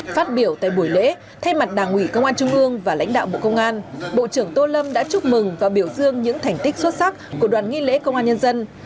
phát biểu tại buổi lễ thay mặt đảng ủy công an trung ương và lãnh đạo bộ công an bộ trưởng tô lâm đã chúc mừng và biểu dương những thành tích xuất sắc của đoàn nghi lễ công an nhân dân